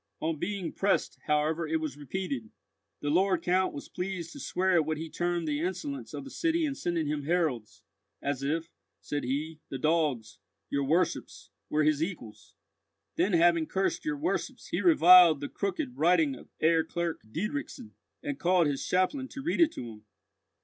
On being pressed, however, it was repeated: "The Lord Count was pleased to swear at what he termed the insolence of the city in sending him heralds, 'as if,' said he, 'the dogs,' your worships, 'were his equals.' Then having cursed your worships, he reviled the crooked writing of Herr Clerk Diedrichson, and called his chaplain to read it to him.